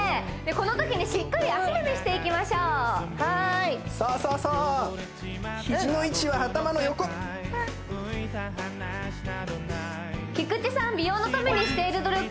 このときにしっかり足踏みしていきましょうさあさあさあ菊地さん